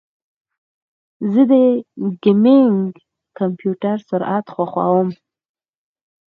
زه د ګیمنګ کمپیوټر سرعت خوښوم.